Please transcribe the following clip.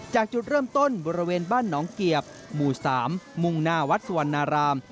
จากจุดเริ่มต้นบริเวณบ้านหนองเกียบหมู่๓มุ่งหน้าวัดสุวรรณาราม